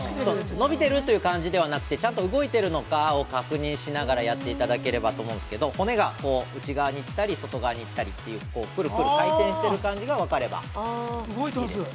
伸びてるという感じではなくてちゃんと動いてるのかを確認しながらやっていただければと思うんですけど、骨がこう、内側に行ったり外側に行ったりっていうくるくる回転してる感じが分かればいいです。